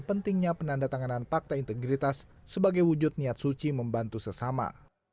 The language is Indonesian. pentingnya penanda tanganan pakta integritas sebagai wujud niat suci membantu sesama